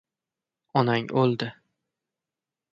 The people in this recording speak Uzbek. Onang o‘ldi